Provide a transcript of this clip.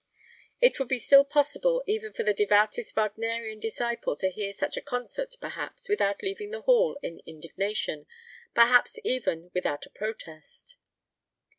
It would be still possible even for the devoutest Wagnerian disciple to hear such a concert, perhaps, without leaving the hall in indignation, perhaps even without a protest.